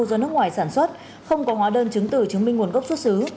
do nước ngoài sản xuất không có hóa đơn trứng tử chứng minh nguồn gốc xuất xứ